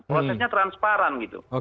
prosesnya transparan gitu